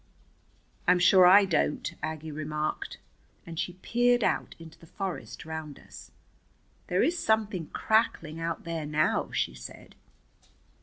"I'm sure I don't," Aggie remarked. It was growing dusk, and she peered out into the forest round us. "There is something crackling out there now," she said.